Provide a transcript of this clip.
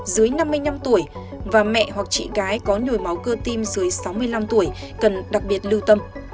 dưới năm mươi năm tuổi và mẹ hoặc chị gái có nhồi máu cơ tim dưới sáu mươi năm tuổi cần đặc biệt lưu tâm